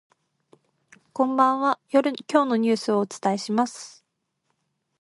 こんばんは、今日のニュースをお伝えします。